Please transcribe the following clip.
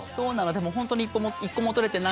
でも本当に一個も取れてなくて。